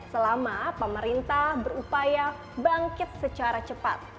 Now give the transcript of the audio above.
selama pemerintah berupaya bangkit secara cepat